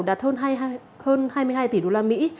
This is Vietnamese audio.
đạt hơn hai mươi hai tỷ đô la mỹ